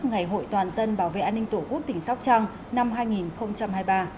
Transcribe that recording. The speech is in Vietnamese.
ngày hội toàn dân bảo vệ an ninh tổ quốc tỉnh sóc trăng năm hai nghìn hai mươi ba